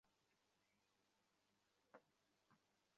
ডানে মোড় নিতে বলেছি।